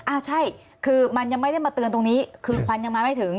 อ้าวใช่คือมันยังไม่ได้มาเตือนตรงนี้คือควันยังมาไม่ถึง